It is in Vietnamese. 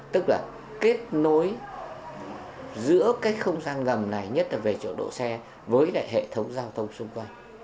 tức là kết nối giữa cái không gian ngầm này nhất là về chỗ đỗ xe với lại hệ thống giao thông xung quanh